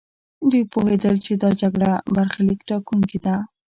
دوی پوهېدل چې دا جګړه برخليک ټاکونکې ده.